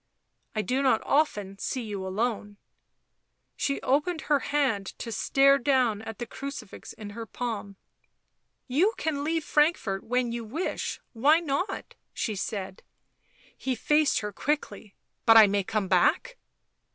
" I do not often see you alone." She opened her hand to stare down at the crucifix in her palm. "You can leave Frankfort when you wish — why not?" she said. He faced her quickly. " But I may come back